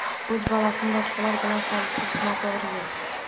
O‘z bolasini boshqalar bilan solishtirish no'to'g'ri yo'l.